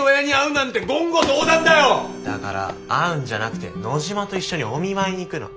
だから会うんじゃなくて野嶋と一緒にお見舞いに行くの。